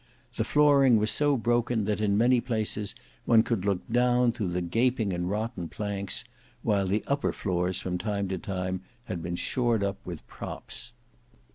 The flooring was so broken that in many places one could look down through the gaping and rotten planks, while the upper floors from time to time had been shored up with props.